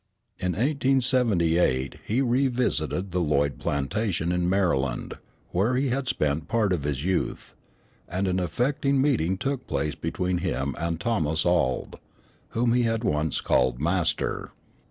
In 1878 he revisited the Lloyd plantation in Maryland, where he had spent part of his youth, and an affecting meeting took place between him and Thomas Auld, whom he had once called master.